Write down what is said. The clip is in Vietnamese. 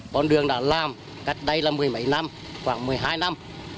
con đường đã làm cách đây là mười mấy năm khoảng mười hai năm